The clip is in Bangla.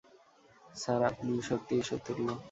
স্যার, আপনি সত্যিই ইশ্বরতুল্য!